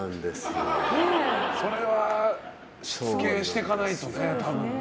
それはしつけしていかないとね。